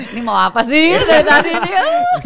ini mau apa sih dari tadi ini ya